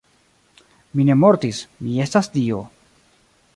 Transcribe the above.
Mi ne mortis, mi estas dio.